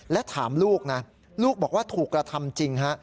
และถามลูกนะลูกบอกว่าถูกกระทำจริงฮะ